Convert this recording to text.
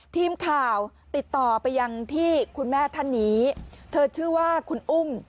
ทีมข่าวติดต่อไปยังที่คุณแม่ท่านนี้เธอชื่อว่าคุณอุ้ม